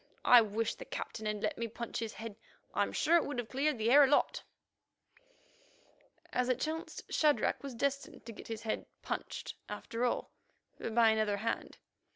I wish the Captain had let me punch his head. I'm sure it would have cleared the air a lot." As it chanced, Shadrach was destined to get his head "punched" after all, but by another hand.